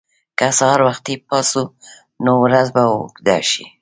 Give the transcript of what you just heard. که سهار وختي پاڅو، نو ورځ به اوږده شي.